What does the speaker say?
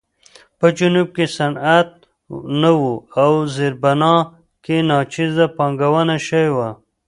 په جنوب کې صنعت نه و او زیربنا کې ناچیزه پانګونه شوې وه.